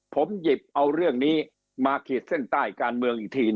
ผมหยิบเอาเรื่องนี้มาขีดเส้นใต้การเมืองอีกที